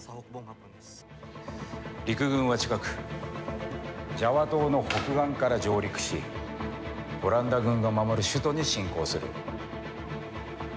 陸軍は近く、ジャワ島の北岸から上陸し、オランダ軍が守る首都に侵攻する。